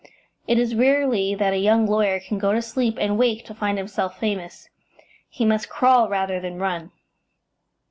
It is rarely that a young lawyer can go to sleep and wake to find himself famous; he must crawl rather than run.